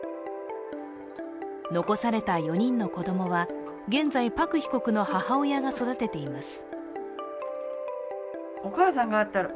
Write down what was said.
残された４人の子供は現在、パク被告の母親が育てています。